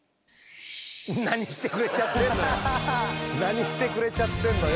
何してくれちゃってんのよ。